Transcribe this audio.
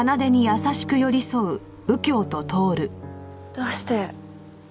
どうして。